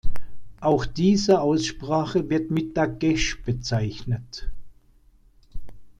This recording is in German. Auch diese Aussprache wird mit Dagesch bezeichnet.